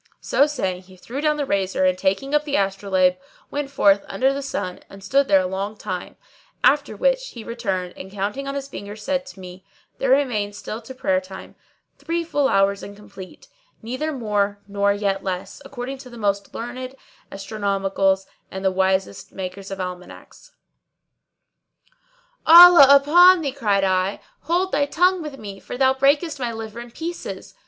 So saying, he threw down the razor and taking up the astrolabe, went forth under the sun and stood there a long time; after which he returned and counting on his fingers said to me, "There remain still to prayer time three full hours and complete, neither more nor yet less, according to the most learned astronomicals and the wisest makers of almanacks." "Allah upon thee," cried I, "hold thy tongue with me, for thou breakest my liver in pieces."